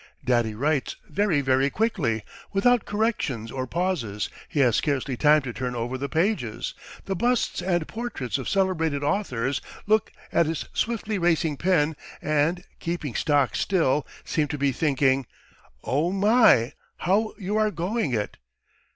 Daddy writes very, very quickly, without corrections or pauses, he has scarcely time to turn over the pages. The busts and portraits of celebrated authors look at his swiftly racing pen and, keeping stock still, seem to be thinking: "Oh my, how you are going it!"